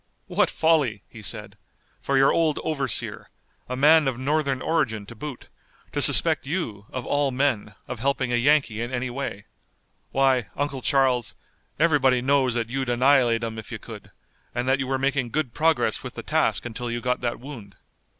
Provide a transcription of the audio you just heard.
"What folly," he said, "for your old overseer, a man of Northern origin to boot, to suspect you, of all men, of helping a Yankee in any way. Why, Uncle Charles, everybody knows that you'd annihilate 'em if you could, and that you were making good progress with the task until you got that wound."